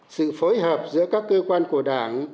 sự phối hợp giữa các cơ quan của đảng